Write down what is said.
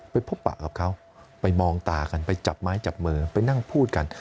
ไปพบปะกับเขาไปมองตากันไปจับไม้จับมือไปนั่งพูดกัน